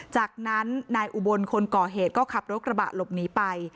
จากนั้นนายอุบลคนก่อเหตุก็ขับรถกระบะหลบหนีไป